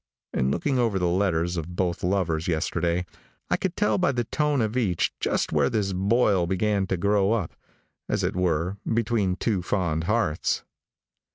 In looking over the letters of both lovers yesterday, I could tell by the tone of each just where this boil began to grow up, as it were, between two fond hearts.